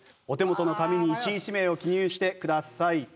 お手元の紙に１位指名を記入してください。